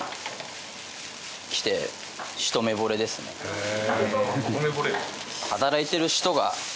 へえ。